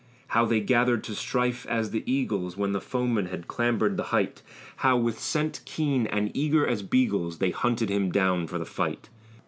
How they gathered to strife as the eagles, When the foeman had clambered the height! How, with scent keen and eager as beagles, They hunted him down for the fight.